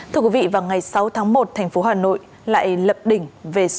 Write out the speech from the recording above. thưa quý vị vào ngày sáu tháng một thành phố hà nội lại lập đỉnh